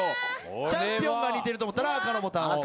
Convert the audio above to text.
チャンピオンが似てると思ったら赤のボタンを。